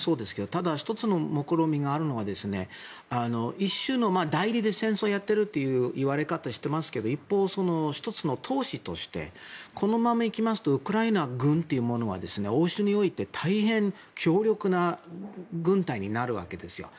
ただ１つの目論見があるのは一種の代理で戦争をやっているという言われ方をしていますけど一方、その１つの投資としてこのままいくとウクライナ軍というものは欧州において大変強力な軍隊になるわけです。